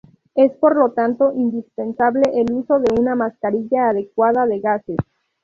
Es por lo tanto indispensable el uso de una mascarilla adecuada de gases.